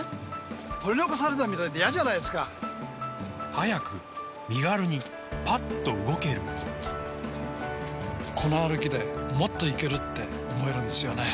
早く身軽にパッと動けるこの歩きでもっといける！って思えるんですよね